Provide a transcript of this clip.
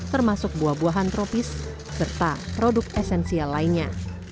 termasuk buah buahan tropis serta produk esensial lainnya